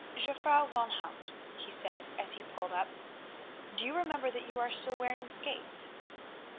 "Jufvrouw van Hout," he said as he pulled up, "do you remember that you are still wearing skates?"